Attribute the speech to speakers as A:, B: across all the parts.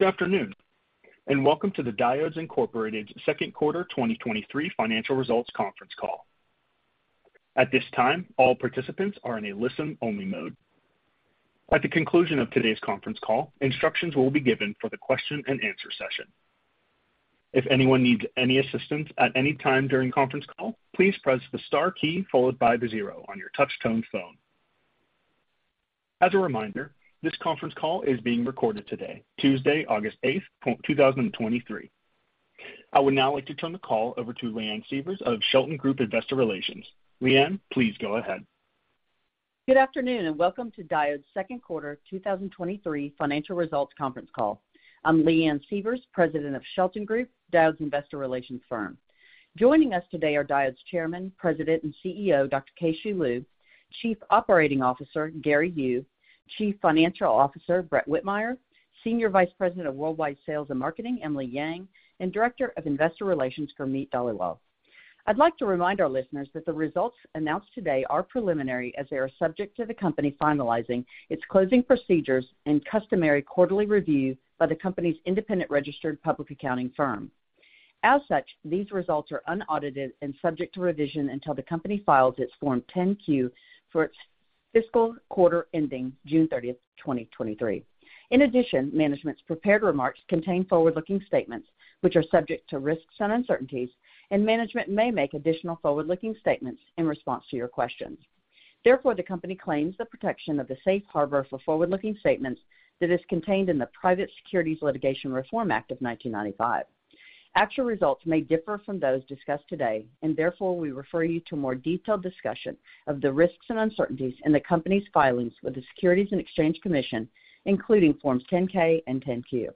A: Good afternoon, and welcome to the Diodes Incorporated Q2 2023 financial results conference call. At this time, all participants are in a listen-only mode. At the conclusion of today's conference call, instructions will be given for the question and answer session. If anyone needs any assistance at any time during the conference call, please press the star key followed by the 0 on your touchtone phone. As a reminder, this conference call is being recorded today, Tuesday, August 8, 2023. I would now like to turn the call over to Leanne Sievers of Shelton Group Investor Relations. Leanne, please go ahead.
B: Good afternoon. Welcome to Diodes' 2nd quarter 2023 financial results conference call. I'm Leanne Sievers, President of Shelton Group, Diodes' investor relations firm. Joining us today are Diodes' Chairman, President, and CEO, Dr. Keh-Shew Lu; Chief Operating Officer, Gary Yu; Chief Financial Officer, Brett Whitmire; Senior Vice President of Worldwide Sales and Marketing, Emily Yang; and Director of Investor Relations, Himit Dalal. I'd like to remind our listeners that the results announced today are preliminary, as they are subject to the company finalizing its closing procedures and customary quarterly review by the company's independent registered public accounting firm. As such, these results are unaudited and subject to revision until the company files its Form 10-Q for its fiscal quarter ending June 30, 2023. In addition, management's prepared remarks contain forward-looking statements, which are subject to risks and uncertainties, and management may make additional forward-looking statements in response to your questions. Therefore, the company claims the protection of the safe harbor for forward-looking statements that is contained in the Private Securities Litigation Reform Act of 1995. Actual results may differ from those discussed today, and therefore, we refer you to more detailed discussion of the risks and uncertainties in the company's filings with the Securities and Exchange Commission, including Forms 10-K and 10-Q.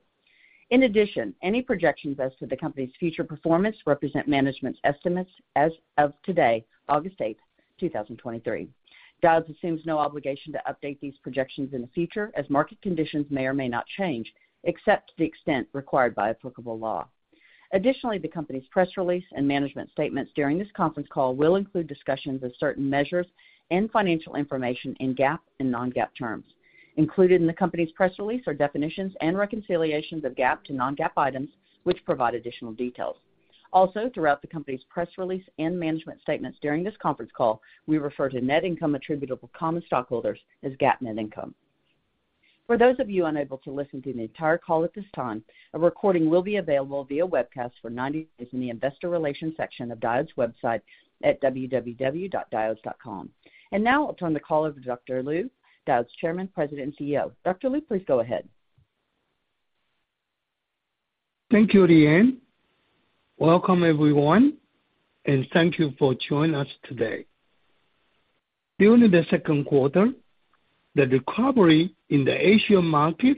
B: In addition, any projections as to the company's future performance represent management's estimates as of today, August 8, 2023. Diodes assumes no obligation to update these projections in the future, as market conditions may or may not change, except to the extent required by applicable law. Additionally, the company's press release and management statements during this conference call will include discussions of certain measures and financial information in GAAP and non-GAAP terms. Included in the company's press release are definitions and reconciliations of GAAP to non-GAAP items, which provide additional details. Also, throughout the company's press release and management statements during this conference call, we refer to net income attributable to common stockholders as GAAP net income. For those of you unable to listen to the entire call at this time, a recording will be available via webcast for 90 days in the investor relations section of Diodes' website at www.diodes.com. Now I'll turn the call over to Dr. Lu, Diodes' Chairman, President, and CEO. Dr. Lu, please go ahead.
C: Thank you, Leanne. Welcome, everyone, and thank you for joining us today. During Q2, the recovery in the Asian market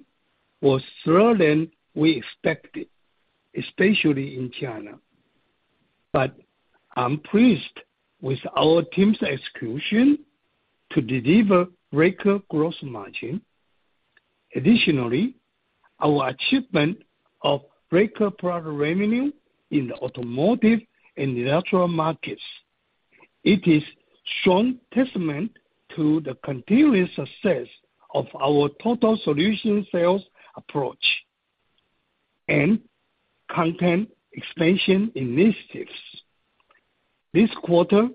C: was slower than we expected, especially in China. I'm pleased with our team's execution to deliver record gross margin. Additionally, our achievement of record product revenue in the automotive and industrial markets. It is strong testament to the continuous success of our total solution sales approach and content expansion initiatives. This quarter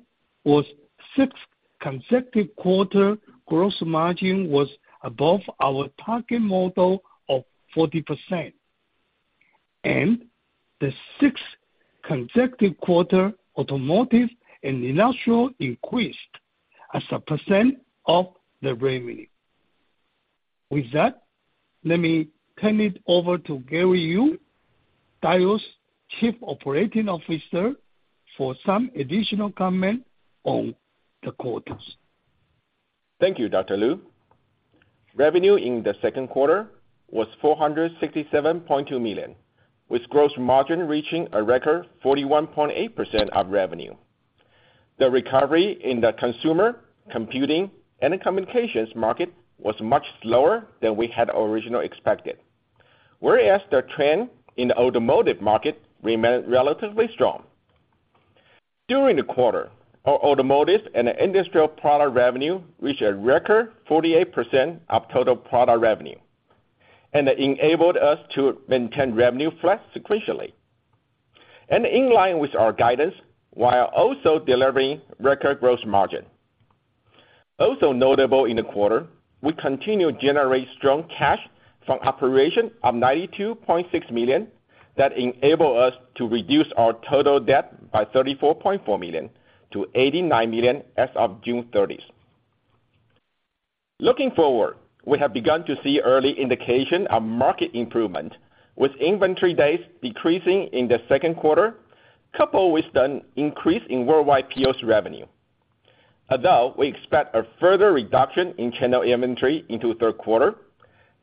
C: was 6th consecutive quarter, gross margin was above our target model of 40%, and the 6th consecutive quarter, automotive and industrial increased as a percent of the revenue. With that, let me turn it over to Gary Yu, Diodes' Chief Operating Officer, for some additional comment on the quarters.
D: Thank you, Dr. Lu. Revenue in Q2 was $467.2 million, with gross margin reaching a record 41.8% of revenue. The recovery in the consumer, computing, and communications market was much slower than we had originally expected, whereas the trend in the automotive market remained relatively strong. During the quarter, our automotive and industrial product revenue reached a record 48% of total product revenue and enabled us to maintain revenue flat sequentially. In line with our guidance, while also delivering record gross margin. Also notable in the quarter, we continued to generate strong cash from operation of $92.6 million that enable us to reduce our total debt by $34.4 million to $89 million as of June 30th. Looking forward, we have begun to see early indication of market improvement, with inventory days decreasing in Q2, coupled with an increase in worldwide POs revenue. We expect a further reduction in channel inventory into Q3,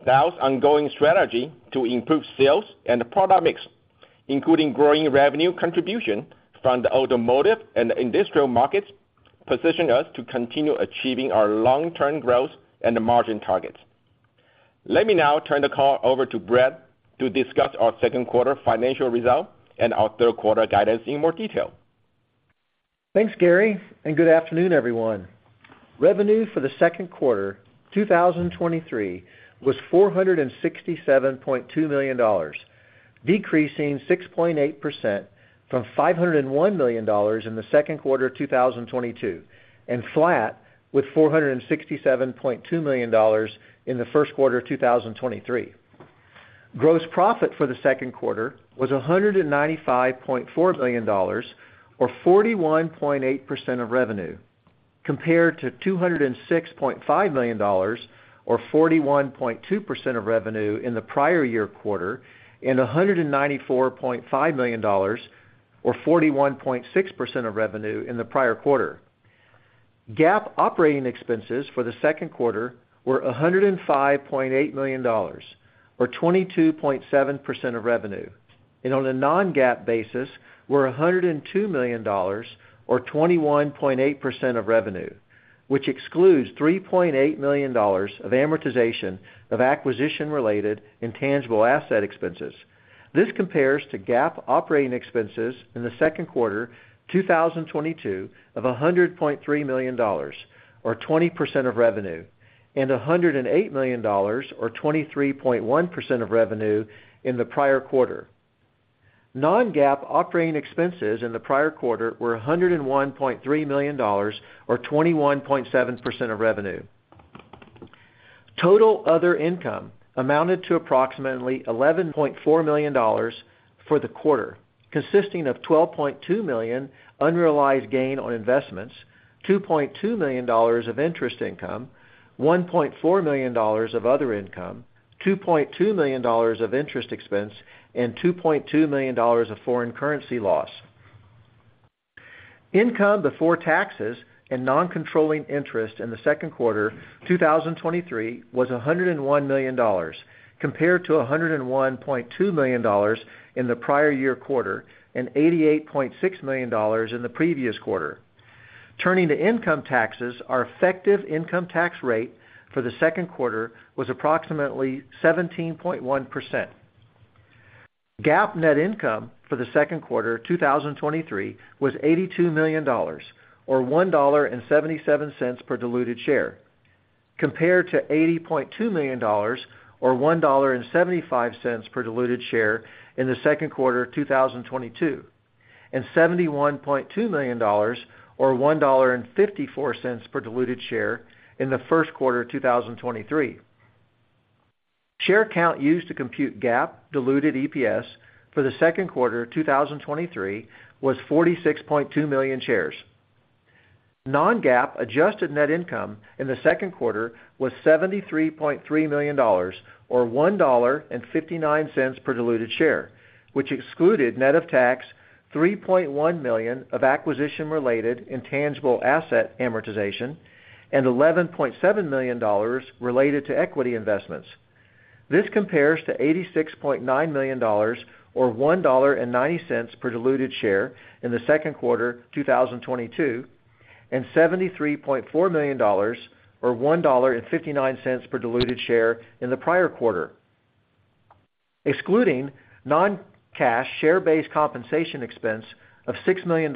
D: Diodes' ongoing strategy to improve sales and product mix, including growing revenue contribution from the automotive and industrial markets, position us to continue achieving our long-term growth and margin targets. Let me now turn the call over to Brett to discuss our Q2 financial results and our Q3 guidance in more detail.
E: Thanks, Gary, and good afternoon, everyone. Revenue for Q2 2023 was $467.2 million, decreasing 6.8% from $501 million in Q2 of 2022, and flat with $467.2 million in Q1 of 2023. Gross profit for Q2 was $195.4 million, or 41.8% of revenue, compared to $206.5 million or 41.2% of revenue in the prior year quarter, and $194.5 million or 41.6% of revenue in the prior quarter. GAAP operating expenses for Q2 were $105.8 million or 22.7% of revenue, and on a non-GAAP basis, were $102 million or 21.8% of revenue, which excludes $3.8 million of amortization of acquisition-related intangible asset expenses. This compares to GAAP operating expenses in Q2 2022 of $100.3 million, or 20% of revenue, and $108 million, or 23.1% of revenue, in the prior quarter. Non-GAAP operating expenses in the prior quarter were $101.3 million or 21.7% of revenue. Total other income amounted to approximately $11.4 million for the quarter, consisting of $12.2 million unrealized gain on investments, $2.2 million of interest income, $1.4 million of other income, $2.2 million of interest expense, and $2.2 million of foreign currency loss. Income before taxes and non-controlling interest in Q2 2023 was $101 million, compared to $101.2 million in the prior year quarter, and $88.6 million in the previous quarter. Turning to income taxes, our effective income tax rate for Q2 was approximately 17.1%. GAAP net income for Q2 2023 was $82 million, or $1.77 per diluted share, compared to $80.2 million or $1.75 per diluted share in Q2 of 2022, and $71.2 million or $1.54 per diluted share in Q1 of 2023. Share count used to compute GAAP diluted EPS for Q2 2023 was 46.2 million shares. Non-GAAP adjusted net income in Q2 was $73.3 million or $1.59 per diluted share, which excluded net of tax, $3.1 million of acquisition-related intangible asset amortization and $11.7 million related to equity investments. This compares to $86.9 million or $1.90 per diluted share in Q2 2022, and $73.4 million or $1.59 per diluted share in the prior quarter. Excluding non-cash share-based compensation expense of $6 million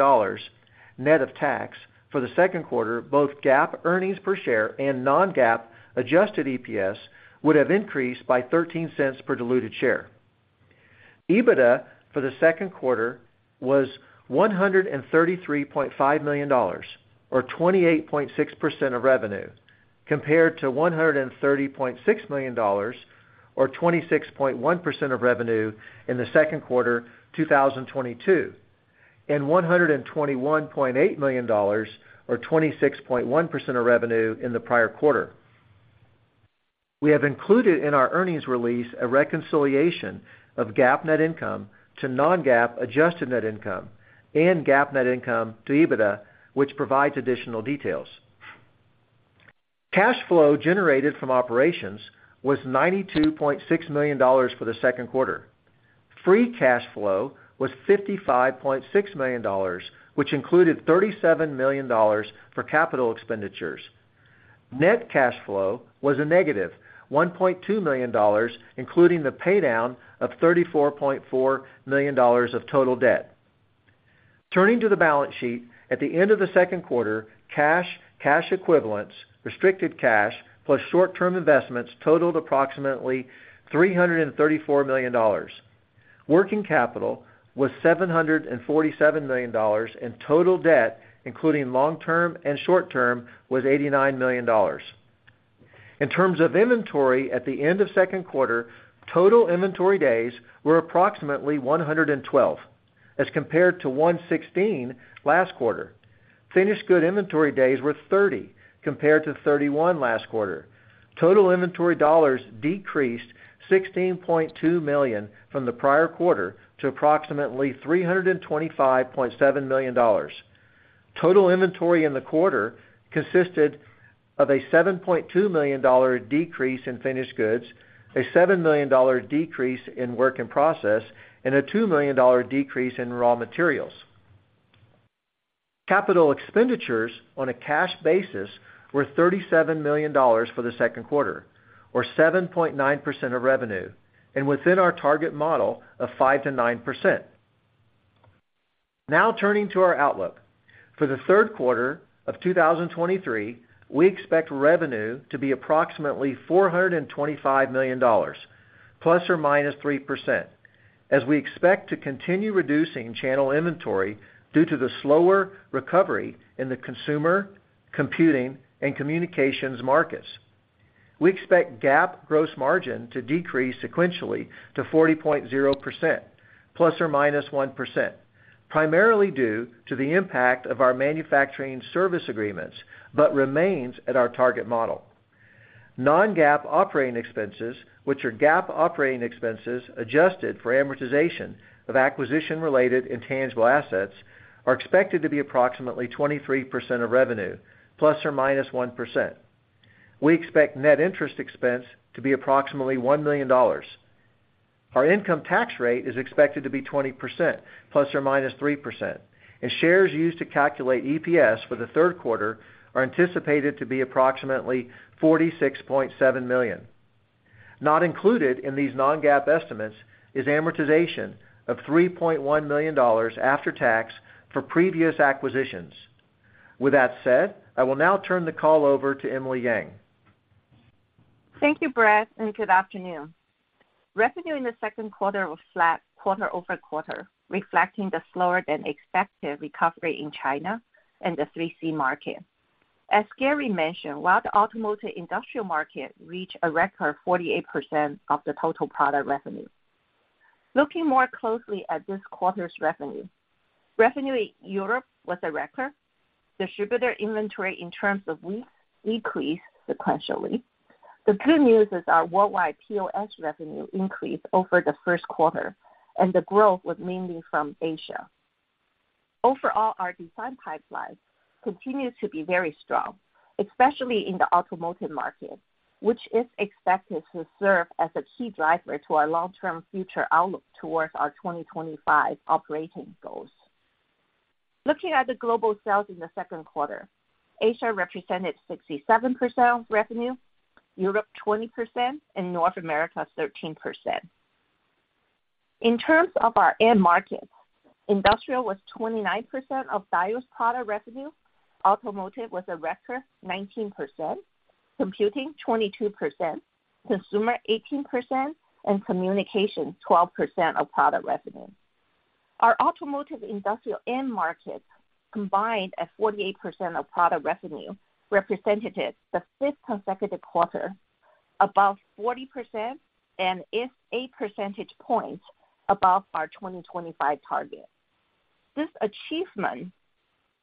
E: net of tax for Q2, both GAAP earnings per share and non-GAAP adjusted EPS would have increased by $0.13 per diluted share. EBITDA for Q2 was $133.5 million, or 28.6% of revenue, compared to $130.6 million or 26.1% of revenue in Q2 2022, and $121.8 million or 26.1% of revenue in the prior quarter. We have included in our earnings release a reconciliation of GAAP net income to non-GAAP adjusted net income and GAAP net income to EBITDA, which provides additional details. Cash flow generated from operations was $92.6 million for Q2. Free cash flow was $55.6 million, which included $37 million for capital expenditures. Net cash flow was a negative $1.2 million, including the paydown of $34.4 million of total debt. Turning to the balance sheet, at the end of Q2, cash, cash equivalents, restricted cash, plus short-term investments totaled approximately $334 million. Working capital was $747 million, and total debt, including long-term and short-term, was $89 million. In terms of inventory, at the end of Q2, total inventory days were approximately 112, as compared to 116 last quarter. Finished good inventory days were 30, compared to 31 last quarter. Total inventory dollars decreased $16.2 million from the prior quarter to approximately $325.7 million. Total inventory in the quarter consisted of a $7.2 million decrease in finished goods, a $7 million decrease in work in process, and a $2 million decrease in raw materials. Capital expenditures on a cash basis were $37 million for Q2, or 7.9% of revenue, and within our target model of 5%-9%. Turning to our outlook. For Q3 of 2023, we expect revenue to be approximately $425 million, ±3%, as we expect to continue reducing channel inventory due to the slower recovery in the consumer, computing, and communications markets. We expect GAAP gross margin to decrease sequentially to 40.0%, ±1%, primarily due to the impact of our manufacturing service agreements, but remains at our target model. Non-GAAP operating expenses, which are GAAP operating expenses, adjusted for amortization of acquisition-related intangible assets, are expected to be approximately 23% of revenue, ±1%. We expect net interest expense to be approximately $1 million. Our income tax rate is expected to be 20%, ±3%. Shares used to calculate EPS for Q3 are anticipated to be approximately 46.7 million. Not included in these non-GAAP estimates is amortization of $3.1 million after tax for previous acquisitions. With that said, I will now turn the call over to Emily Yang.
F: Thank you, Brad. Good afternoon. Revenue in Q2 was flat quarter-over-quarter, reflecting the slower than expected recovery in China and the 3C market. As Gary mentioned, while the automotive industrial market reached a record 48% of the total product revenue. Looking more closely at this quarter's revenue. Revenue in Europe was a record. Distributor inventory in terms of weeks decreased sequentially. The good news is our worldwide POS revenue increased over Q1, and the growth was mainly from Asia. Overall, our design pipeline continues to be very strong, especially in the automotive market, which is expected to serve as a key driver to our long-term future outlook towards our 2025 operating goals. Looking at the global sales in Q2, Asia represented 67% of revenue, Europe 20%, and North America 13%. In terms of our end markets, industrial was 29% of Diodes product revenue, automotive was a record 19%, computing 22%, consumer 18%, communication 12% of product revenue. Our automotive industrial end markets combined at 48% of product revenue, represented the fifth consecutive quarter, above 40% and is 8 percentage points above our 2025 target. This achievement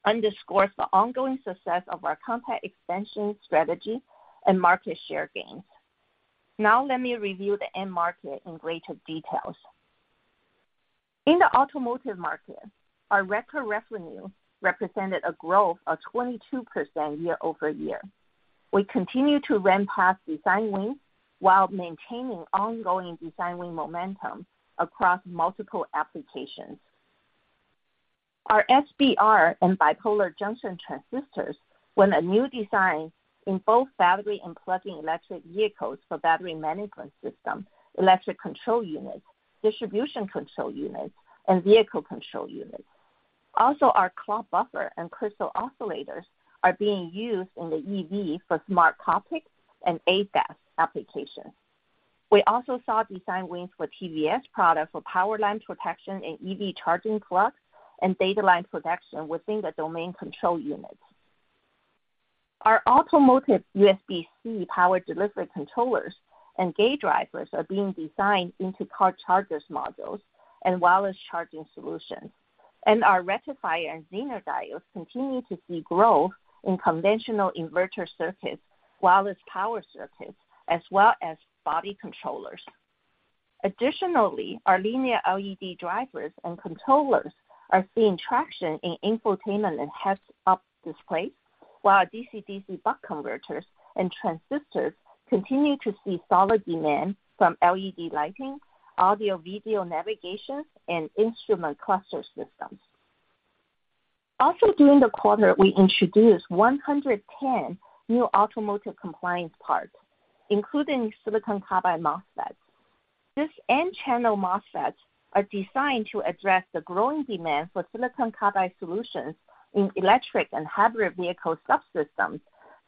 F: underscores the ongoing success of our content expansion strategy and market share gains. Let me review the end market in greater details. In the automotive market, our record revenue represented a growth of 22% year-over-year. We continue to ramp path design wins while maintaining ongoing design win momentum across multiple applications. Our SBR and bipolar junction transistors won a new design in both battery and plug-in electric vehicles for battery management system, electric control units, distribution control units, and vehicle control units. Our clock buffer and crystal oscillators are being used in the EV for smart topics and ADAS applications. We also saw design wins for TVS products for power line protection and EV charging plugs and data line protection within the domain control units. Our automotive USB-C power delivery controllers and gate drivers are being designed into car chargers modules and wireless charging solutions. Our rectifier and Zener diodes continue to see growth in conventional inverter circuits, wireless power circuits, as well as body controllers. Additionally, our linear LED drivers and controllers are seeing traction in infotainment and heads-up displays, while our DC-DC buck converters and transistors continue to see solid demand from LED lighting, audio, video navigation, and instrument cluster systems. During the quarter, we introduced 110 new automotive compliance parts, including silicon carbide MOSFETs. These N-channel MOSFETs are designed to address the growing demand for silicon carbide solutions in electric and hybrid vehicle subsystems,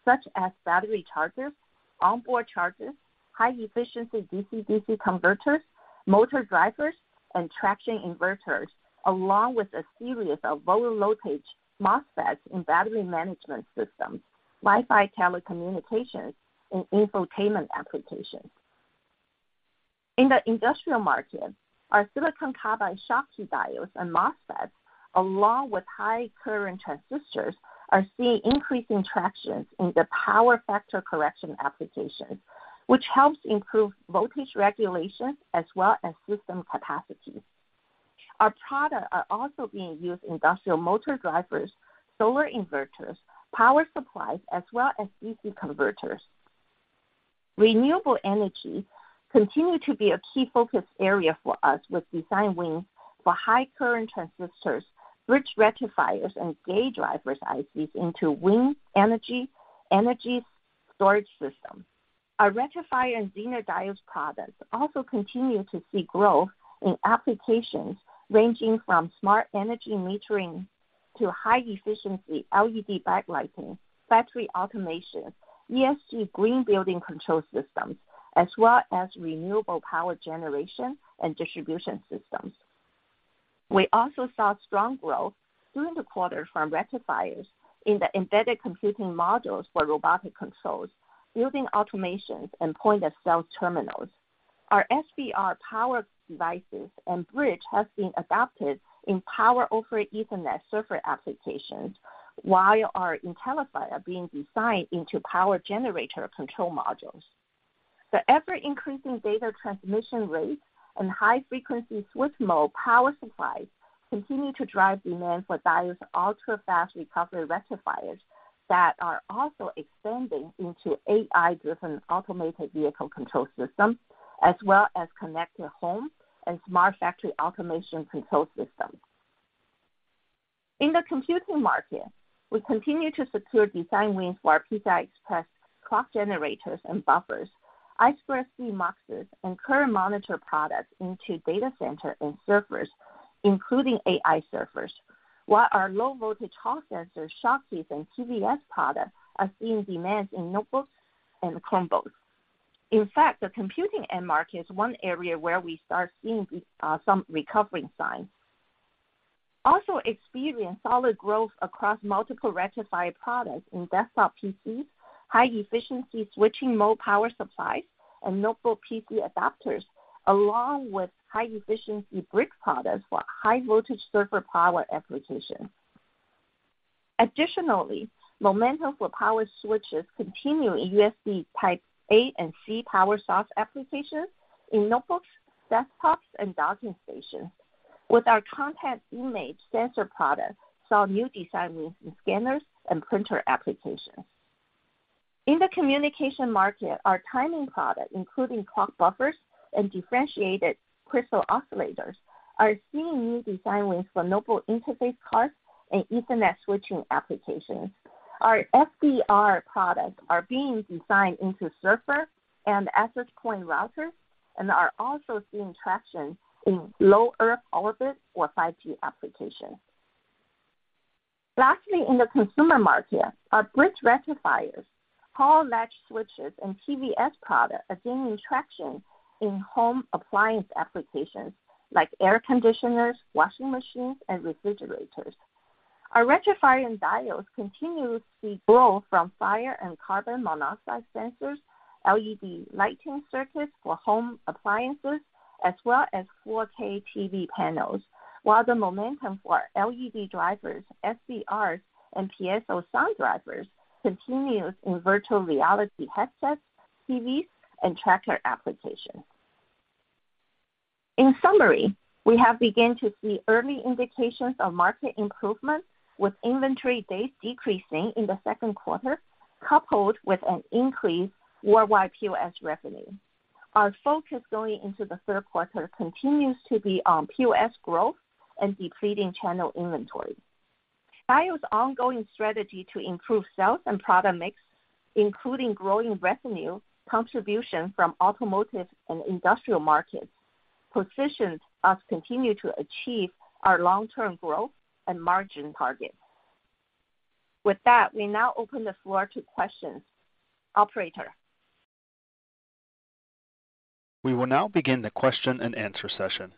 F: such as battery chargers, onboard chargers, high-efficiency DC-DC converters, motor drivers, and traction inverters, along with a series of low voltage MOSFETs in battery management systems, Wi-Fi telecommunications, and infotainment applications. In the industrial market, our silicon carbide Schottky Diodes and MOSFETs, along with high current transistors, are seeing increasing traction in the Power Factor Correction application, which helps improve voltage regulation as well as system capacity. Our products are also being used in industrial motor drivers, solar inverters, power supplies, as well as DC converters. Renewable energy continue to be a key focus area for us, with design wins for high current transistors, bridge rectifiers, and gate drivers ICs into wind energy, energy storage system. Our rectifier and Zener Diodes products also continue to see growth in applications ranging from smart energy metering to high efficiency LED backlighting, factory automation, ESG green building control systems, as well as renewable power generation and distribution systems. We also saw strong growth during the quarter from rectifiers in the embedded computing modules for robotic controls, building automations, and point-of-sale terminals. Our SBR power devices and bridge has been adopted in power over Ethernet server applications, while our IntelliFET are being designed into power generator control modules. The ever-increasing data transmission rates and high-frequency switch mode power supplies continue to drive demand for Diodes' ultra-fast recovery rectifiers that are also expanding into AI-driven automated vehicle control systems, as well as connected home and smart factory automation control systems. In the computing market, we continue to secure design wins for our PCI Express clock generators and buffers, I2C muxes and current monitor products into data center and servers, including AI servers, while our low voltage Hall Sensors, Schottkys, and TVS products are seeing demands in notebooks and Chromebooks. In fact, the computing end market is one area where we start seeing some recovering signs. Also experienced solid growth across multiple rectifier products in desktop PCs, high-efficiency switching mode power supplies, and notebook PC adapters, along with high-efficiency brick products for high voltage server power applications. Additionally, momentum for power switches continue in USB Type-A and USB-C power source applications in notebooks, desktops, and docking stations, with our Contact Image Sensor products saw new design wins in scanners and printer applications. In the communication market, our timing products, including clock buffers and differentiated crystal oscillators, are seeing new design wins for notebook interface cards and Ethernet switching applications. Our SBR products are being designed into servers and access point routers and are also seeing traction in Low Earth Orbit or 5G applications. Lastly, in the consumer market, our bridge rectifiers, Hall latch switches, and TVS products are gaining traction in home appliance applications like air conditioners, washing machines, and refrigerators. Our rectifier and diodes continue to see growth from fire and carbon monoxide sensors, LED lighting circuits for home appliances, as well as 4K TV panels, while the momentum for LED drivers, SBRs, and piezo sound drivers continues in virtual reality headsets, TVs, and tracker applications. In summary, we have begun to see early indications of market improvement, with inventory days decreasing in Q2, coupled with an increase worldwide POS revenue. Our focus going into Q3 continues to be on POS growth and depleting channel inventory. Diodes' ongoing strategy to improve sales and product mix, including growing revenue contribution from automotive and industrial markets, positions us continue to achieve our long-term growth and margin targets. With that, we now open the floor to questions. Operator?
A: We will now begin the question-and-answer session.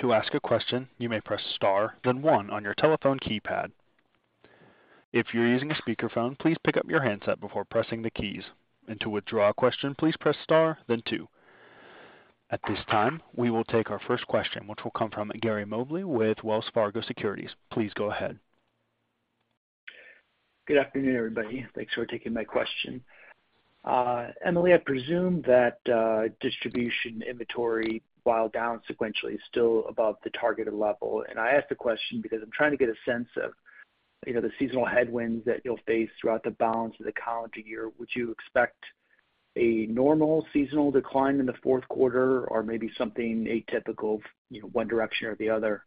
A: To ask a question, you may press star, then one on your telephone keypad. If you're using a speakerphone, please pick up your handset before pressing the keys. To withdraw a question, please press star then two. At this time, we will take our first question, which will come from Gary Mobley with Wells Fargo Securities. Please go ahead.
G: Good afternoon, everybody. Thanks for taking my question. Emily, I presume that distribution inventory, while down sequentially, is still above the targeted level. I ask the question because I'm trying to get a sense of, you know, the seasonal headwinds that you'll face throughout the balance of the calendar year. Would you expect a normal seasonal decline in the Q4 or maybe something atypical, you know, one direction or the other?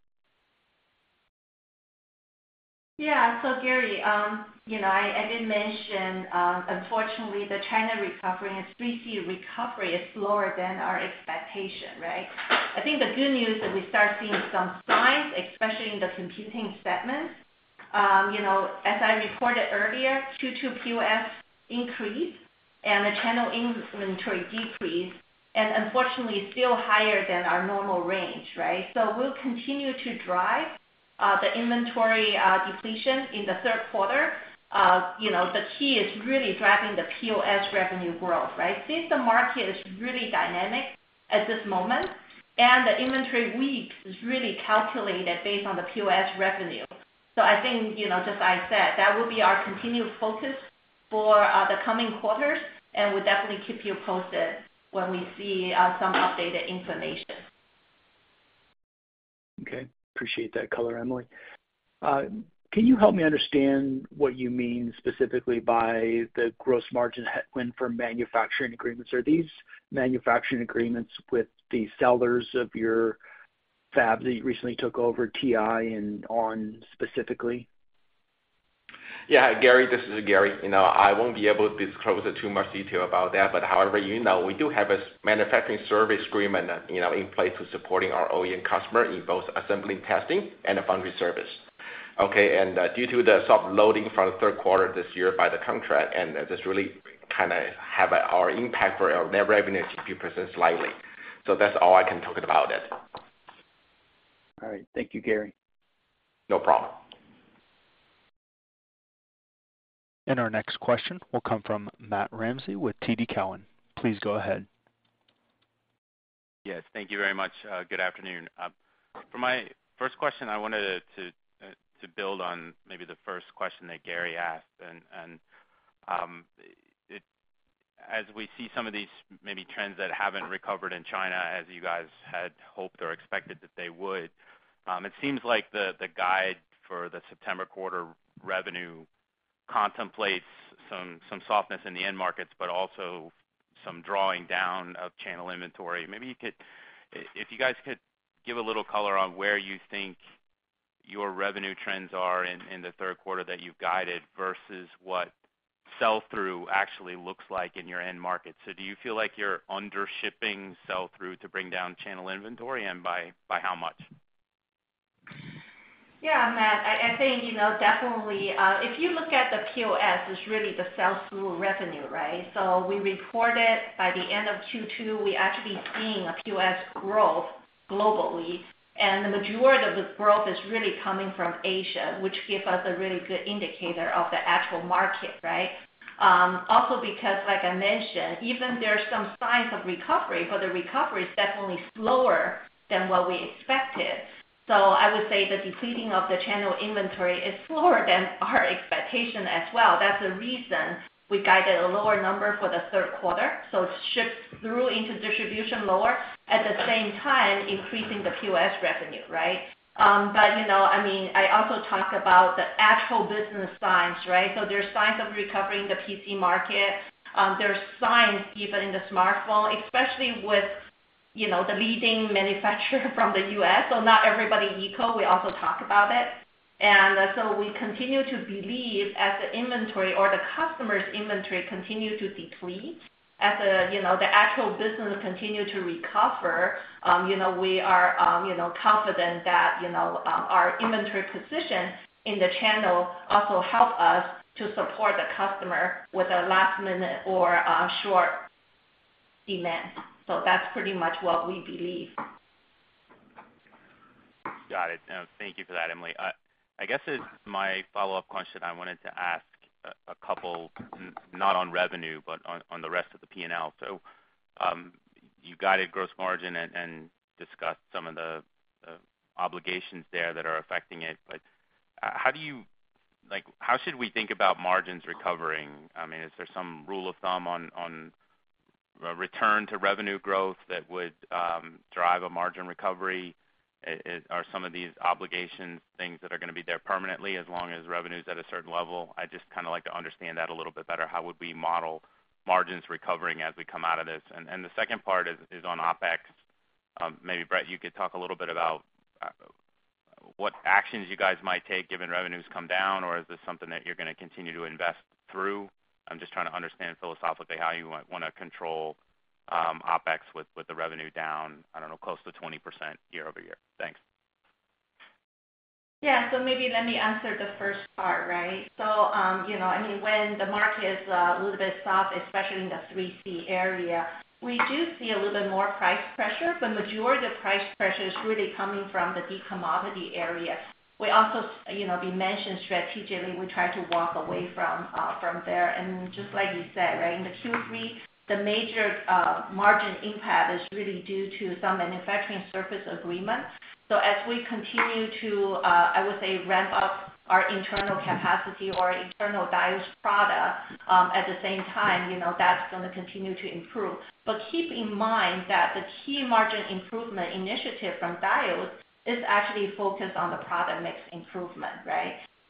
F: Yeah. Gary, I did mention, unfortunately, the China recovery and 3C recovery is slower than our expectation, right? I think the good news is we start seeing some signs, especially in the computing segment. As I reported earlier, Q2 POS increased and the channel inventory decreased, and unfortunately still higher than our normal range, right? We'll continue to drive the inventory depletion in Q3. The key is really driving the POS revenue growth, right? Since the market is really dynamic at this moment, and the inventory week is really calculated based on the POS revenue. I think, just I said, that will be our continued focus for the coming quarters, and we'll definitely keep you posted when we see some updated information.
G: Okay, appreciate that color, Emily. Can you help me understand what you mean specifically by the gross margin headwind for manufacturing agreements? Are these manufacturing agreements with the sellers of your fab that you recently took over, TI and ON, specifically?
D: Gary, this is Gary. I won't be able to disclose too much detail about that. However, you know, we do have a manufacturing service agreement, you know, in place with supporting our OEM customer in both assembly testing and foundry service. Okay, due to the soft loading for Q3 this year by the contract, this really kind of have our impact for our net revenue to decrease slightly. That's all I can talk about it.
G: All right. Thank you, Gary.
D: No problem.
A: Our next question will come from Matthew Ramsay with TD Cowen. Please go ahead.
H: Yes, thank you very much. Good afternoon. For my first question, I wanted to build on maybe the first question that Gary asked. As we see some of these maybe trends that haven't recovered in China, as you guys had hoped or expected that they would, it seems like the guide for the September quarter revenue contemplates some softness in the end markets, but also some drawing down of channel inventory. If you guys could give a little color on where you think your revenue trends are in Q3 that you've guided versus what sell-through actually looks like in your end market. Do you feel like you're under-shipping sell-through to bring down channel inventory, and by how much?
F: Yeah, Matt, I think, you know, definitely, if you look at the POS, it's really the sell-through revenue, right? We reported by the end of Q2, we're actually seeing a POS growth globally, and the majority of the growth is really coming from Asia, which give us a really good indicator of the actual market, right? Also, because like I mentioned, even there are some signs of recovery, but the recovery is definitely slower than what we expected. I would say the depleting of the channel inventory is slower than our expectation as well. That's the reason we guided a lower number for Q3. It shifts through into distribution lower, at the same time, increasing the POS revenue, right? I also talked about the actual business signs, right? There are signs of recovering the PC market. There are signs even in the smartphone, especially with, you know, the leading manufacturer from the U.S. Not everybody equal, we also talk about it. We continue to believe as the inventory or the customer's inventory continue to deplete, as the, you know, the actual business continue to recover, you know, we are, you know, confident that, you know, our inventory position in the channel also help us to support the customer with a last-minute or short demand. That's pretty much what we believe.
H: Got it. Thank you for that, Emily. I guess as my follow-up question, I wanted to ask a couple, not on revenue, but on, on the rest of the P&L. You guided gross margin and discussed some of the obligations there that are affecting it. How do you... Like, how should we think about margins recovering? I mean, is there some rule of thumb on a return to revenue growth that would drive a margin recovery? Are some of these obligations things that are going to be there permanently as long as revenue is at a certain level? I just kind of like to understand that a little bit better. How would we model margins recovering as we come out of this? The second part is on OpEx. Maybe, Brett, you could talk a little bit about what actions you guys might take given revenues come down, or is this something that you're going to continue to invest through? I'm just trying to understand philosophically how you might want to control OpEx with the revenue down, I don't know, close to 20% year-over-year. Thanks.
F: Yeah. Maybe let me answer the first part, right? You know, I mean, when the market is a little bit soft, especially in the 3C area, we do see a little bit more price pressure, but majority of the price pressure is really coming from the decommodity area. We also, you know, we mentioned strategically, we try to walk away from there. Just like you said, right, in the Q3, the major margin impact is really due to some manufacturing surface agreements. As we continue to, I would say, ramp up our internal capacity or internal value product, at the same time, you know, that's going to continue to improve. Keep in mind that the key margin improvement initiative from Diodes is actually focused on the product mix improvement,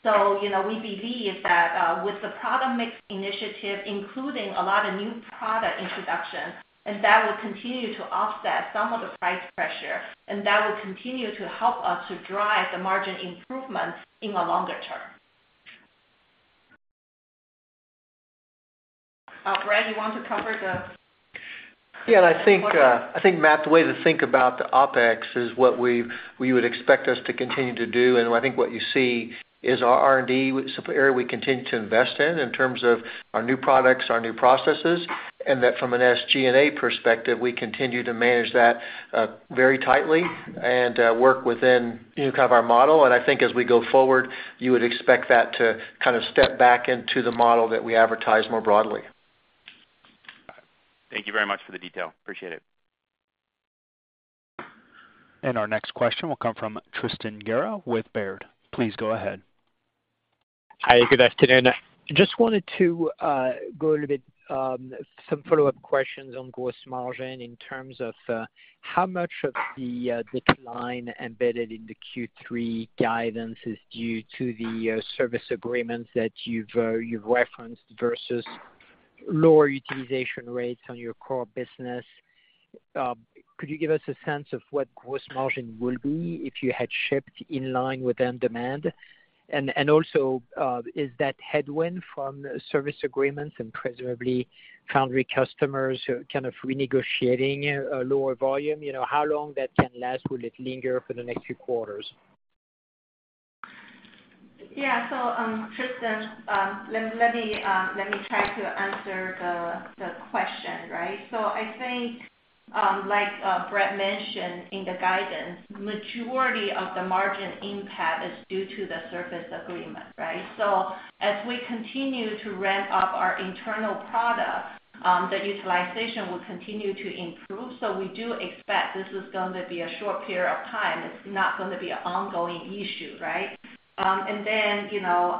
F: right? We believe that, with the product mix initiative, including a lot of new product introduction, that will continue to offset some of the price pressure, that will continue to help us to drive the margin improvement in the longer term. Brett, you want to cover the-
E: Yeah, Matt, the way to think about the OpEx is what we've - we would expect us to continue to do. I think what you see is our R&D area we continue to invest in, in terms of our new products, our new processes, and that from an SG&A perspective, we continue to manage that very tightly and work within, you know, kind of our model. I think as we go forward, you would expect that to kind of step back into the model that we advertise more broadly.
H: Thank you very much for the detail. Appreciate it.
A: Our next question will come from Tristan Gerra with Baird. Please go ahead.
I: Hi, good afternoon. Just wanted to go a little bit, some follow-up questions on gross margin in terms of how much of the decline embedded in the Q3 guidance is due to the service agreements that you've referenced versus lower utilization rates on your core business. Could you give us a sense of what gross margin will be if you had shipped in line with end demand? Also, is that headwind from service agreements and presumably foundry customers who are kind of renegotiating a lower volume, you know, how long that can last? Will it linger for the next few quarters?
F: Yeah. Tristan, let me try to answer the question, right? I think, like Brett mentioned in the guidance, majority of the margin impact is due to the service agreement, right? As we continue to ramp up our internal product, the utilization will continue to improve, so we do expect this is going to be a short period of time. It's not going to be an ongoing issue, right? Then, you know,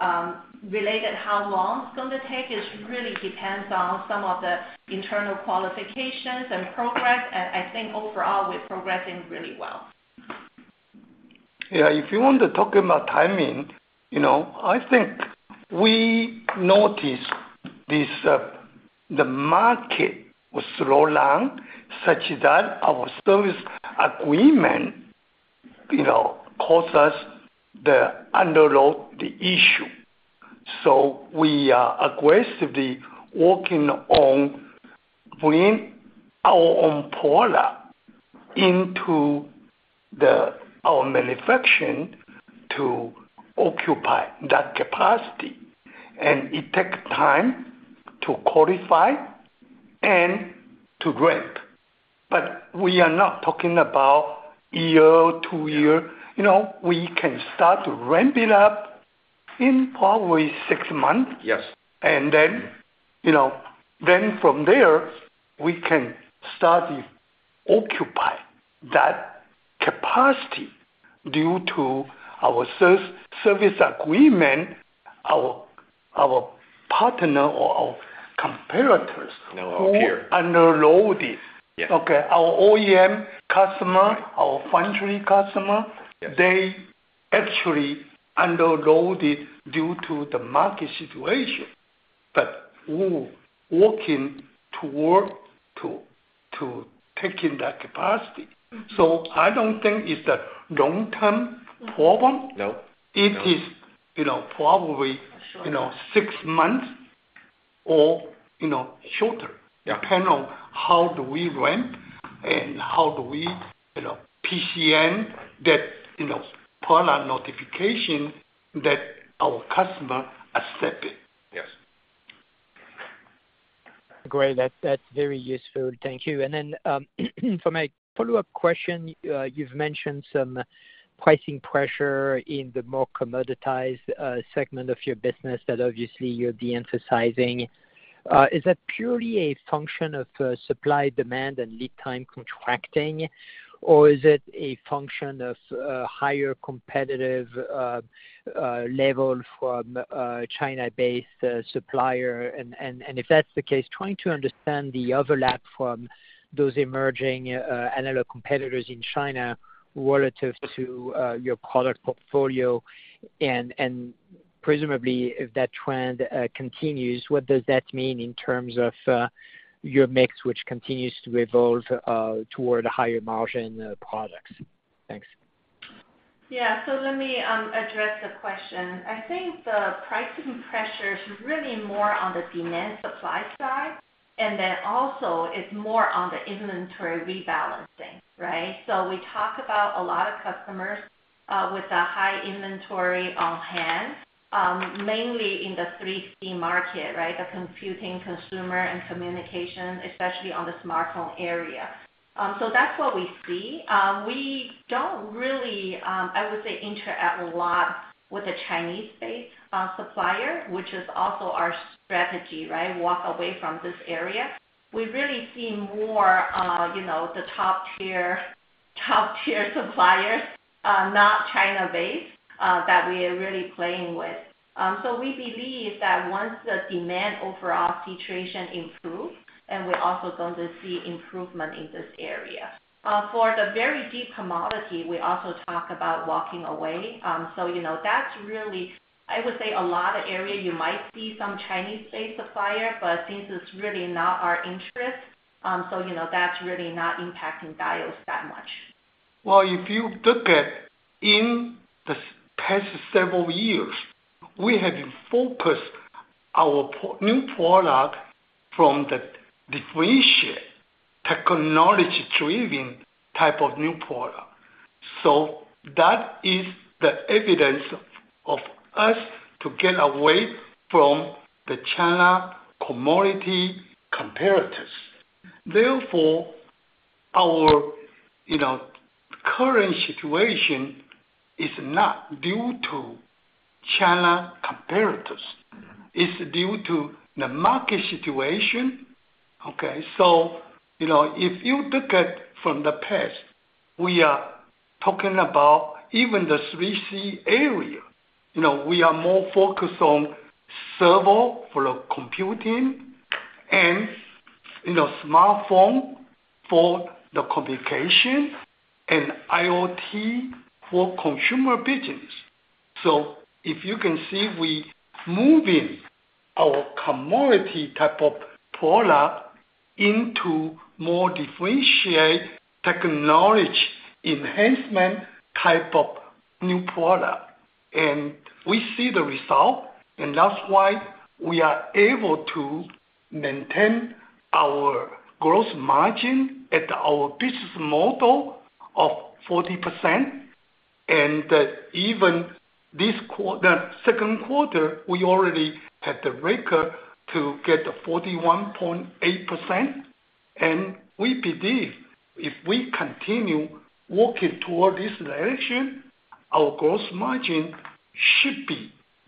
F: related, how long it's going to take, it really depends on some of the internal qualifications and progress, and I think overall, we're progressing really well.
C: If you want to talk about timing, you know, I think we noticed this, the market will slow down such that our service agreement, you know, cause us the underload, the issue. We are aggressively working on bringing our own product into the, our manufacturing to occupy that capacity. It takes time to qualify and to ramp. We are not talking about year-to-year. You know, we can start to ramp it up in probably 6 months. Then, you know, then from there, we can start to occupy that capacity due to our service agreement, our, our partner or our competitors.
I: No, appear.
C: Underloaded.
I: Yeah.
C: Okay. Our OEM customer, our foundry customer-
I: Yeah.
C: They actually underloaded due to the market situation. We're working toward to taking that capacity. I don't think it's a long-term problem.
I: No.
C: It is, you know, probably-
I: Short.
C: Six months or, you know, shorter.
I: Yeah.
C: Depend on how do we ramp and how do we, you know, PCN that, you know, product notification that our customer accepted.
I: Yes. Great. That, that's very useful. Thank you. For my follow-up question, you've mentioned some pricing pressure in the more commoditized segment of your business that obviously you're de-emphasizing. Is that purely a function of supply, demand, and lead time contracting, or is it a function of higher competitive level from China-based supplier? If that's the case, trying to understand the overlap from those emerging analog competitors in China relative to your product portfolio, and presumably, if that trend continues, what does that mean in terms of your mix, which continues to evolve toward higher margin products? Thanks.
F: Yeah. Let me address the question. I think the pricing pressure is really more on the demand supply side, and then also it's more on the inventory rebalancing, right? We talk about a lot of customers, with a high inventory on hand, mainly in the 3C market, right? The computing, consumer and communication, especially on the smartphone area. That's what we see. We don't really, I would say, interact a lot with the Chinese-based supplier, which is also our strategy, right? Walk away from this area. We really see more, you know, the top-tier, top-tier suppliers, not China-based, that we are really playing with. We believe that once the demand overall situation improves, and we're also going to see improvement in this area. For the very deep commodity, we also talk about walking away. You know, that's really, I would say, a lot of area you might see some Chinese-based supplier, but since it's really not our interest, so, you know, that's really not impacting Diodes that much.
C: Well, if you look at in the past several years, we have been focused our new product from the differentiate, technology-driven type of new product. That is the evidence of us to get away from the China commodity competitors. Therefore our current situation is not due to China competitors. It's due to the market situation. Okay, you know, if you look at from the past, we are talking about even the 3C area. We are more focused on server for the computing and, you know, smartphone for the communication, and IoT for consumer business. If you can see, we are moving our commodity type of product into more differentiated technology enhancement type of new product. We see the result, and that's why we are able to maintain our gross margin at our business model of 40%. Even Q2, we already had the record to get 41.8%. We believe if we continue working toward this direction, our gross margin should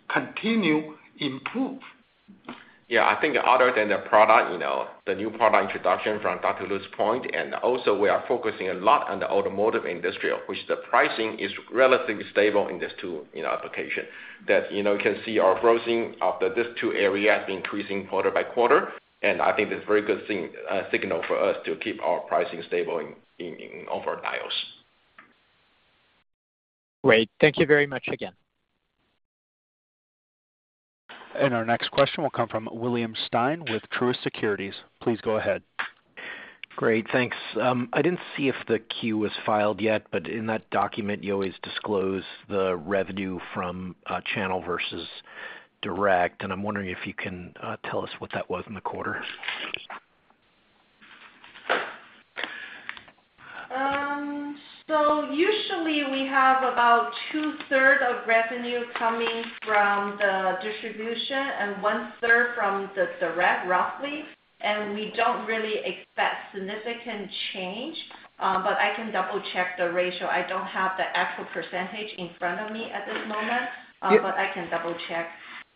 C: continue to improve.
D: Yeah, I think other than the product, you know, the new product introduction from Dr. Lu's point, and also we are focusing a lot on the automotive industry, which the pricing is relatively stable in this two, you know, application. That, you know, you can see our grossing of these two areas increasing quarter by quarter, and I think that's a very good thing, signal for us to keep our pricing stable in over tiles.
I: Great. Thank you very much again.
A: Our next question will come from William Stein with Truist Securities. Please go ahead.
J: Great. Thanks. I didn't see if the Q was filed yet, but in that document, you always disclose the revenue from, channel versus direct, I'm wondering if you can, tell us what that was in the quarter?
F: Usually we have about two-third of revenue coming from the distribution and one-third from the direct, roughly, and we don't really expect significant change. I can double-check the ratio. I don't have the actual percentage in front of me at this moment, but I can double-check.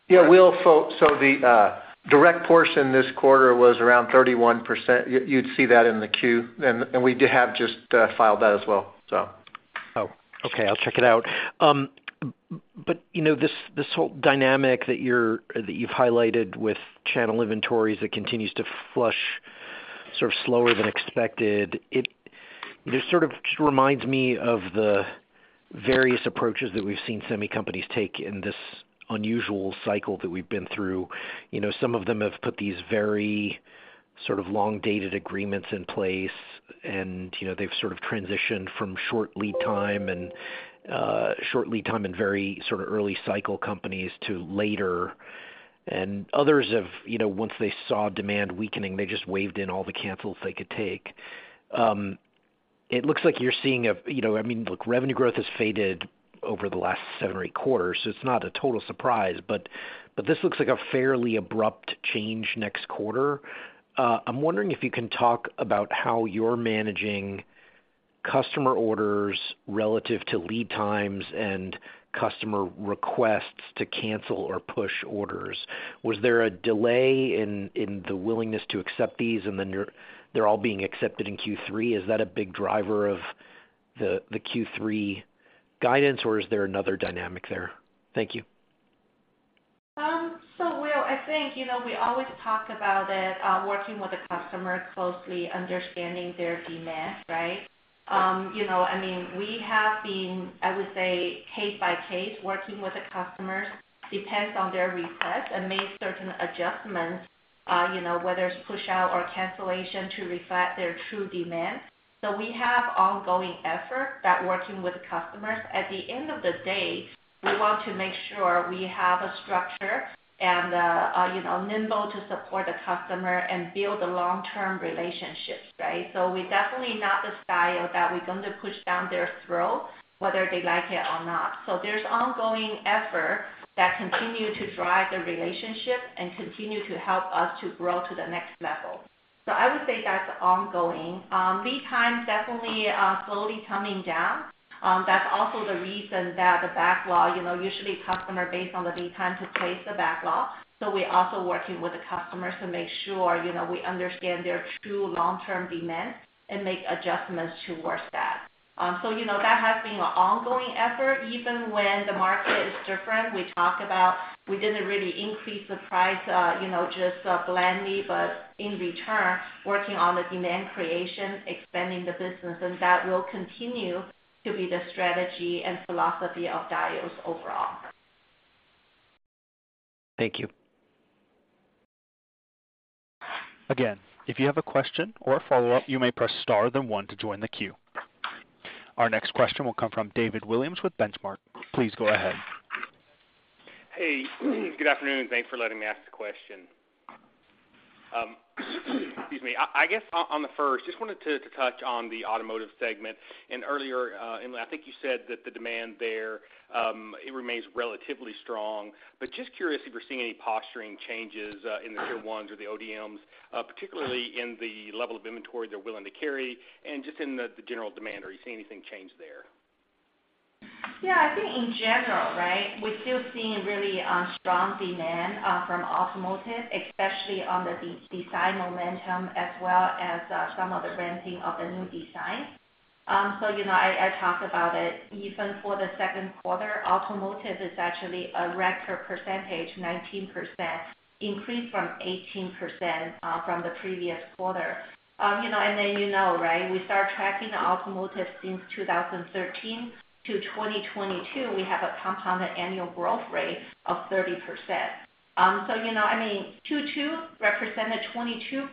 E: Yeah, Will, so the direct portion this quarter was around 31%. You'd see that in the Q, and we do have just filed that as well.
J: Okay. I'll check it out. You know, this, this whole dynamic that you've highlighted with channel inventories that continues to flush sort of slower than expected, it, it sort of just reminds me of the various approaches that we've seen semi companies take in this unusual cycle that we've been through. Some of them have put these very sort of long-dated agreements in place, you know, they've sort of transitioned from short lead time and short lead time and very sort of early cycle companies to later. Others have, you know, once they saw demand weakening, they just waved in all the cancels they could take. It looks like you're seeing a, you know, I mean, look, revenue growth has faded over the last seven or eight quarters, so it's not a total surprise, but this looks like a fairly abrupt change next quarter. I'm wondering if you can talk about how you're managing customer orders relative to lead times and customer requests to cancel or push orders. Was there a delay in the willingness to accept these, and then they're all being accepted in Q3? Is that a big driver of the, the Q3 guidance, or is there another dynamic there? Thank you.
F: William, I think, you know, we always talk about it, working with the customer closely, understanding their demand, right? You know, I mean, we have been, I would say, case by case, working with the customers, depends on their request, and make certain adjustments, you know, whether it's push out or cancellation, to reflect their true demand. We have ongoing effort that working with customers. At the end of the day, we want to make sure we have a structure and, you know, nimble to support the customer and build a long-term relationships, right? We're definitely not the style that we're going to push down their throat, whether they like it or not. There's ongoing effort that continue to drive the relationship and continue to help us to grow to the next level. I would say that's ongoing. Lead time definitely, slowly coming down. That's also the reason that the backlog, you know, usually customer based on the lead time to place the backlog. We're also working with the customers to make sure, you know, we understand their true long-term demand and make adjustments towards that. You know, that has been an ongoing effort. Even when the market is different, we talk about we didn't really increase the price, you know, just blindly, but in return, working on the demand creation, expanding the business, and that will continue to be the strategy and philosophy of Diodes overall.
J: Thank you.
A: If you have a question or a follow-up, you may press star then 1 to join the queue. Our next question will come from David Williams with Benchmark. Please go ahead.
K: Hey, good afternoon, and thanks for letting me ask the question. Excuse me. I, I guess on, on the first, just wanted to, to touch on the automotive segment. Earlier, and I think you said that the demand there, it remains relatively strong. Just curious if you're seeing any posturing changes in the tier ones or the ODMs, particularly in the level of inventory they're willing to carry, and just in the general demand, are you seeing anything change there?
F: In general, right, we're still seeing really strong demand from automotive, especially on the design momentum as well as some of the ramping of the new designs. I talked about it. Even for Q2, automotive is actually a record percentage, 19%, increase from 18% from the previous quarter. We start tracking automotive since 2013 to 2022, we have a compounded annual growth rate of 30%. You know, I mean, 2022 represented 22%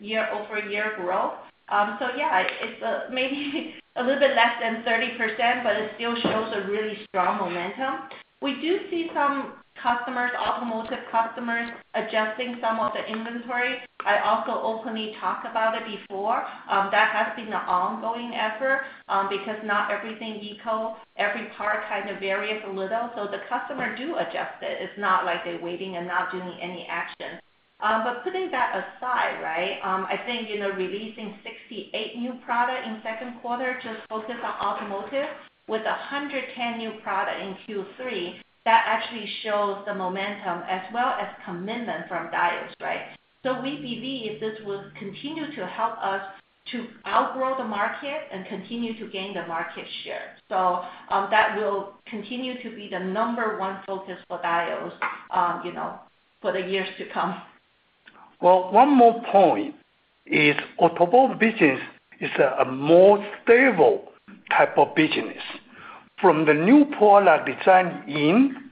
F: year-over-year growth. Yeah, it's maybe a little bit less than 30%, but it still shows a really strong momentum. We do see some customers, automotive customers, adjusting some of the inventory. I also openly talked about it before. That has been an ongoing effort, because not everything equal, every part kind of varies a little, so the customer do adjust it. It's not like they're waiting and not doing any action. Putting that aside, right, I think, releasing 68 new product in Q2, just focus on automotive, with 110 new product in Q3, that actually shows the momentum as well as commitment from Diodes, right? We believe this will continue to help us to outgrow the market and continue to gain the market share. That will continue to be the number 1 focus for Diodes, for the years to come.
C: Well, one more point is, automobile business is a, a more stable type of business. From the new product design in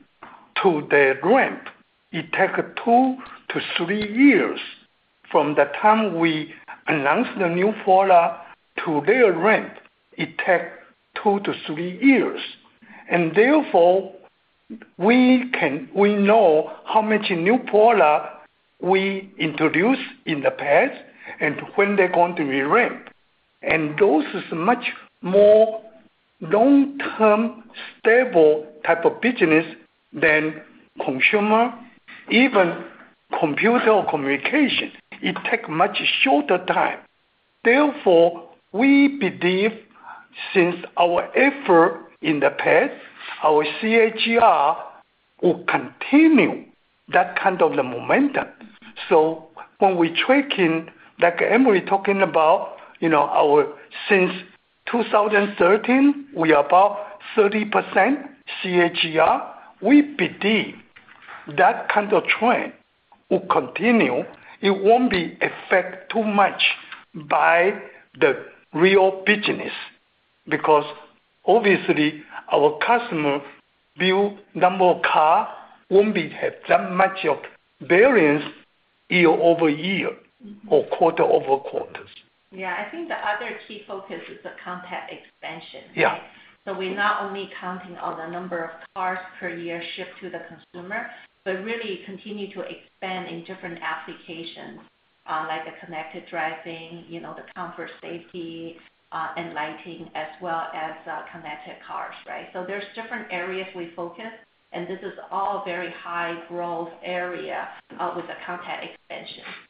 C: to the ramp, it take 2-3 years. From the time we announce the new product to their ramp, it take 2-3 years. Therefore, we know how much new product we introduced in the past and when they're going to be ramped. Those is much more long-term, stable type of business than consumer, even computer or communication. It take much shorter time. Therefore, we believe, since our effort in the past, our CAGR will continue that kind of the momentum. When we're tracking, like Emily talking about, you know, our since 2013, we are about 30% CAGR. We believe that kind of trend will continue. It won't be affect too much by the real business, because obviously, our customer build number of car won't be have that much of variance year-over-year or quarter-over-quarters.
F: Yeah, I think the other key focus is the content expansion, right?
C: Yeah.
F: We're not only counting on the number of cars per year shipped to the consumer, but really continue to expand in different applications, like the connected driving, you know, the comfort, safety, and lighting, as well as connected cars, right? There's different areas we focus, and this is all very high growth area with the content expansion.
K: Okay,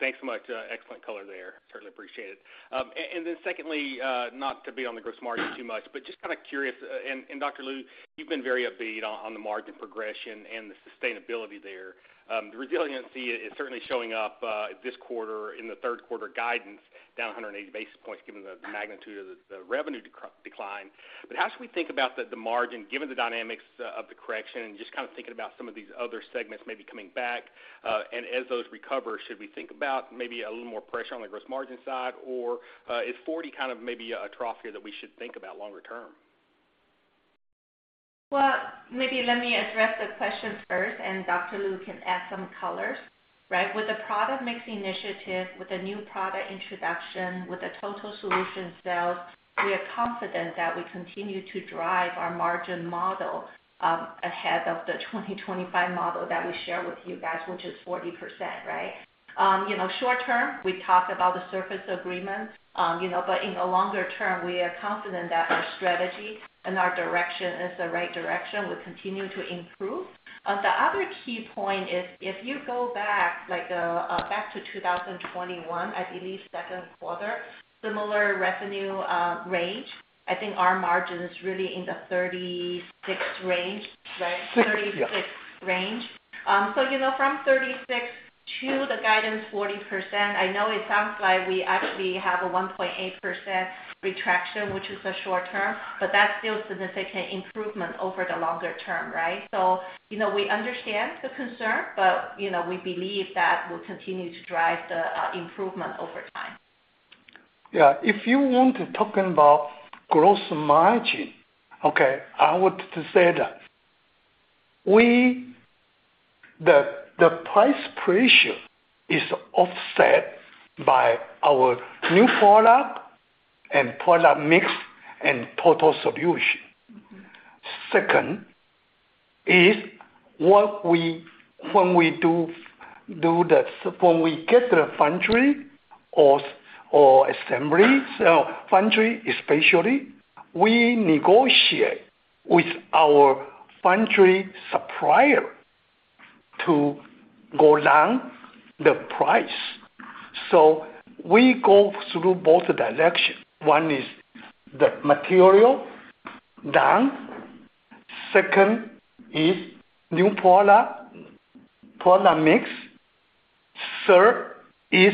K: thanks so much. Excellent color there. Certainly appreciate it. Then secondly, not to be on the gross margin too much, but just kind of curious, and Dr. Lu, you've been very upbeat on the margin progression and the sustainability there. The resiliency is certainly showing up this quarter in Q3 guidance, down 180 basis points, given the magnitude of the revenue decline. How should we think about the margin, given the dynamics of the correction, and just kind of thinking about some of these other segments maybe coming back? As those recover, should we think about maybe a little more pressure on the gross margin side, or is 40% kind of maybe a trough here that we should think about longer term?
F: Well, maybe let me address the question first, and Dr. Lu can add some colors, right? With the product mix initiative, with the new product introduction, with the total solution sales, we are confident that we continue to drive our margin model, ahead of the 2025 model that we shared with you guys, which is 40%, right? Short term, we talked about the surface agreement, you know, but in the longer term, we are confident that our strategy and our direction is the right direction. We continue to improve. The other key point is, if you go back, like, back to 2021, I believe Q2, similar revenue, range, I think our margin is really in the 36 range, right?
C: Yes.
F: 36 range. You know, from 36 to the guidance 40%, I know it sounds like we actually have a 1.8% retraction, which is the short term, but that's still significant improvement over the longer term, right? You know, we understand the concern, but, you know, we believe that we'll continue to drive the improvement over time.
C: Yeah. If you want to talking about gross margin, okay, I want to say that we. The price pressure is offset by our new product and product mix and total solution. Second is what we do, when we get the foundry or assembly, so foundry especially, we negotiate with our foundry supplier to go down the price. We go through both directions. One is the material down. Second is new product, product mix. Third is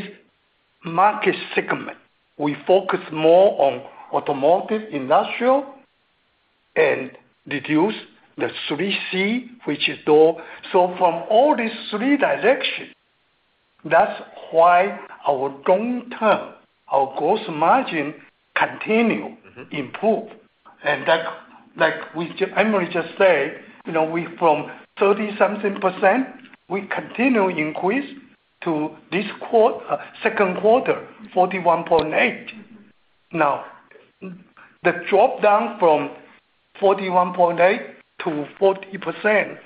C: market segment. We focus more on automotive, industrial, and reduce the 3C, which is door. From all these three directions, that's why our long term, our gross margin continues to improve. Like, like we, Emily just said, you know, we from 30-something percent, we continue increase to this quarter, 2Q, 41.8%. The drop down from 41.8% to 40%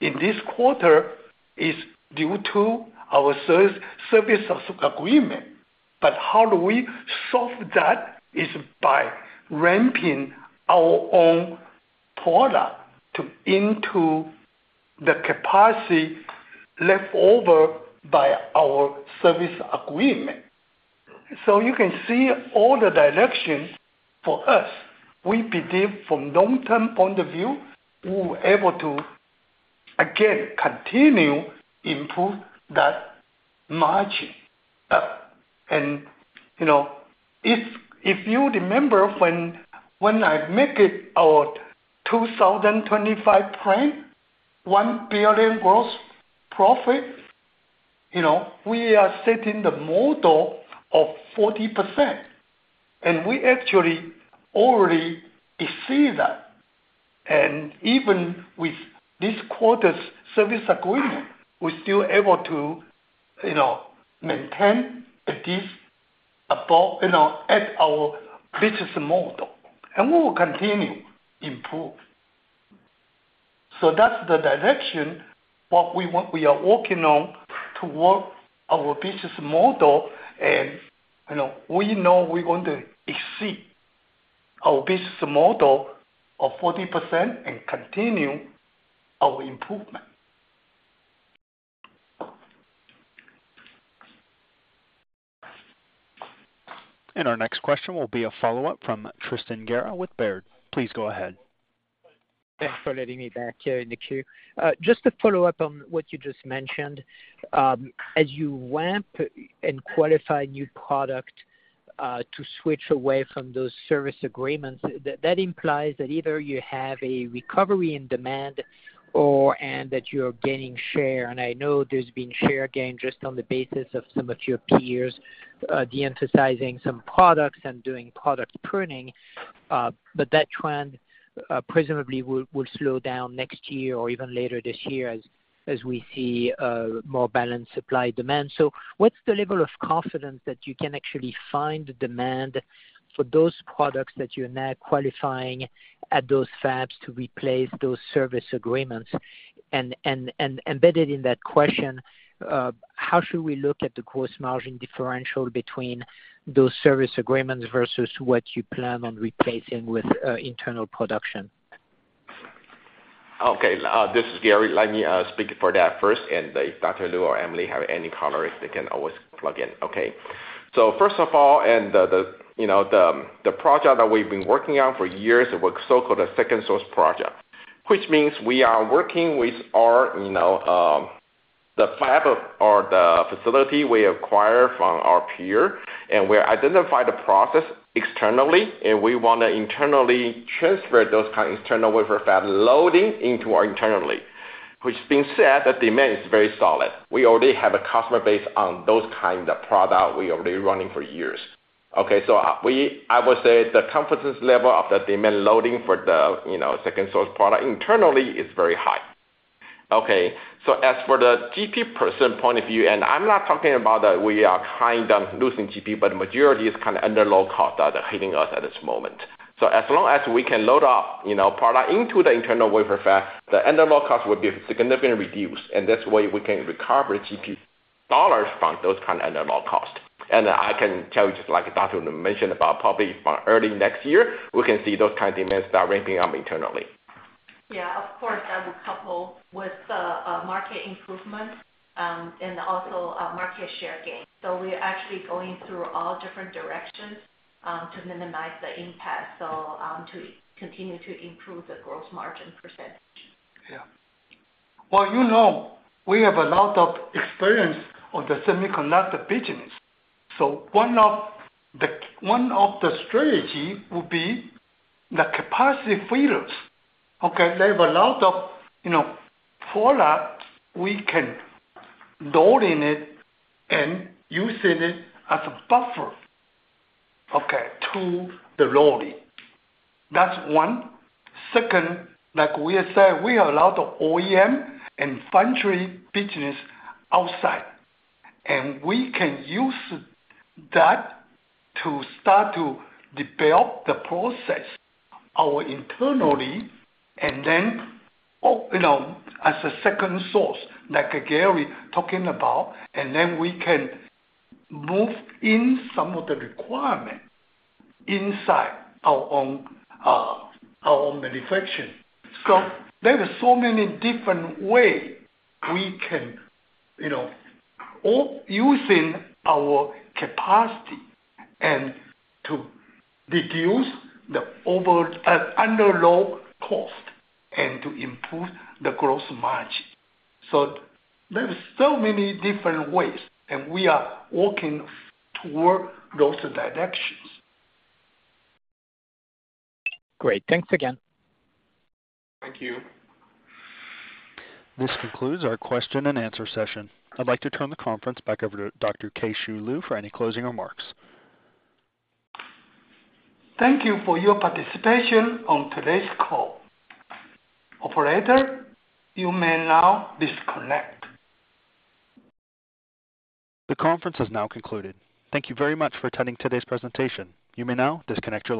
C: in this quarter is due to our service, service agreement. How do we solve that? Is by ramping our own product to, into the capacity left over by our service agreement. You can see all the directions for us. We believe from long-term point of view, we were able to, again, continue improve that margin. If you remember when, when I make it our 2025 plan, $1 billion gross profit, you know, we are setting the model of 40%, and we actually already exceed that. Even with this quarter's service agreement, we're still able to, you know, maintain at least above, you know, at our business model, and we will continue improve. That's the direction, what we are working on toward our business model. You know, we know we're going to exceed our business model of 40% and continue our improvement.
A: Our next question will be a follow-up from Tristan Gerra with Baird. Please go ahead.
I: Its me back here in the queue. Just to follow up on what you just mentioned. As you ramp and qualify new product to switch away from those service agreements, that implies that either you have a recovery in demand or that you're gaining share, and I know there's been share gain just on the basis of some of your peers de-emphasizing some products and doing product pruning. That trend presumably will slow down next year or even later this year as we see more balanced supply demand. What's the level of confidence that you can actually find the demand for those products that you're now qualifying at those fabs to replace those service agreements? Embedded in that question, how should we look at the gross margin differential between those service agreements versus what you plan on replacing with internal production?
D: Okay, this is Gary. Let me speak for that first, and if Dr. Lu or Emily have any comments, they can always plug in, okay? First of all, and the, the, you know, the, the project that we've been working on for years, it was so-called a second source project. Means we are working with our, you know, the fab or the facility we acquire from our peer, and we identify the process externally, and we want to internally transfer those kind of external wafer fab loading into our internally. Being said, the demand is very solid. We already have a customer base on those kind of product we already running for years. Okay, I would say the confidence level of the demand loading for the, you know, second source product internally is very high. As for the GP % point of view, I'm not talking about that we are kind of losing GP, but majority is kind of underloading costs that are hitting us at this moment. As long as we can load up, you know, product into the internal wafer fab, the underloading costs will be significantly reduced, and that way we can recover GP dollars from those kind of underloading costs. I can tell you, just like Dr. Lu mentioned, about probably by early next year, we can see those kind of demands start ramping up internally.
F: Yeah, of course, that will couple with the market improvement, and also market share gain. We are actually going through all different directions to minimize the impact to continue to improve the gross margin percentage.
C: Yeah. Well, you know, we have a lot of experience on the semiconductor business. One of the, one of the strategy would be the capacity fillers, okay? There are a lot of, you know, products we can load in it and using it as a buffer, okay, to the loading. That's one. Second, like we said, we have a lot of OEM and foundry business outside, and we can use that to start to develop the process our internally and then, you know, as a second source, like Gary talking about, and then we can move in some of the requirements inside our own manufacturing. There are so many different way we can, you know, all using our capacity and to reduce the over under load cost and to improve the gross margin. There are so many different ways, and we are working toward those directions.
I: Great. Thanks again.
D: Thank you.
A: This concludes our question and answer session. I'd like to turn the conference back over to Dr. Keh-Shew Lu for any closing remarks.
C: Thank you for your participation on today's call. Operator, you may now disconnect.
A: The conference has now concluded. Thank you very much for attending today's presentation. You may now disconnect your lines.